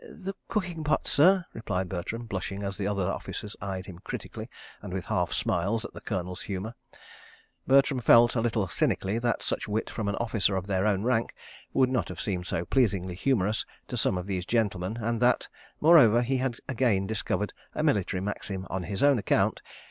"The cooking pots, sir," replied Bertram, blushing as the other officers eyed him critically and with half smiles at the Colonel's humour. Bertram felt, a little cynically, that such wit from an officer of their own rank would not have seemed so pleasingly humorous to some of these gentlemen, and that, moreover, he had again discovered a Military Maxim on his own account.